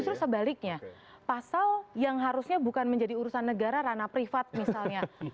justru sebaliknya pasal yang harusnya bukan menjadi urusan negara ranah privat misalnya